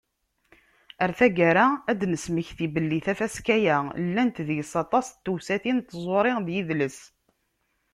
Ɣer taggara, ad d-nesmekti belli tafaska-a, llant deg-s aṭas n tewsatin n tẓuri d yidles.